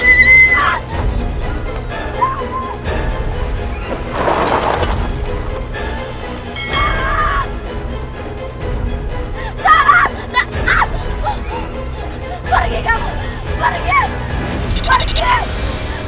pergi kamu pergi